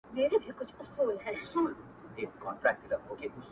بېغمه! غمه د هغې! هغه چي بيا ياديږي